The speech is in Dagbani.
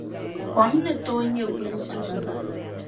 Kom ni tooi nyɛ gulisigu.